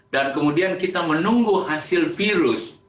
dan kemudian kita menunggu hasil virus